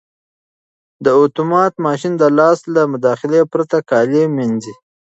دا اتومات ماشین د لاس له مداخلې پرته کالي مینځي.